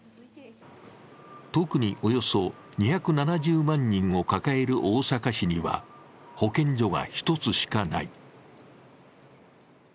特に、およそ２７０万人を抱える大阪市には保健所が１つしかない。